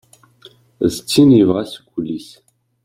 D tin yebɣa seg wul-is.